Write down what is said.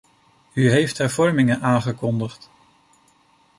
U heeft hervormingen aangekondigd.